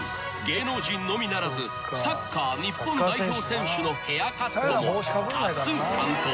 芸能人のみならずサッカー日本代表選手のヘアカットも多数担当］